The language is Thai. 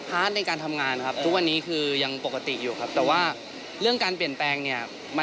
ภาษณ์ในการทำงานครับทุกวันนี้คือยังปกติอยู่ครับ